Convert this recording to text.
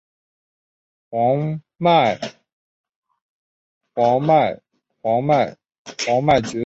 黄脉爵床为爵床科黄脉爵床属的植物。